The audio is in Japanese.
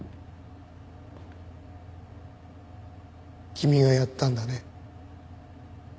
君がやったんだね。